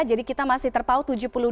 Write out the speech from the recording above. jadi kita masih terpaut tujuh puluh dua